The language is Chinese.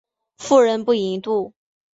妇人不淫妒。